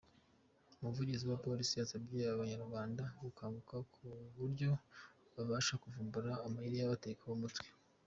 Umuvugizi wa Polisi yasabye Abanyarwanda gukanguka, ku buryo babasha kuvumbura amayeri y’ababatekaho umutwe.